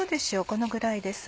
このぐらいです。